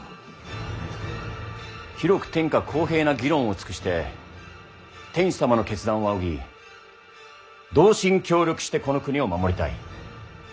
広く天下公平な議論を尽くして天子様の決断を仰ぎ同心協力してこの国を護りたい。